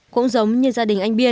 cũng giống như gia đình anh biên